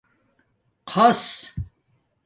خَص